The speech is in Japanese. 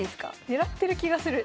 狙ってる気がする。